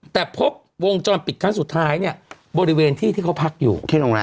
แต่พบวงจรปิดครั้งสุดท้ายเนี่ยบริเวณที่ที่เขาพักอยู่ที่โรงแรม